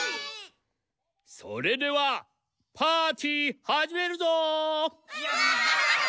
それではパーティーはじめるぞ！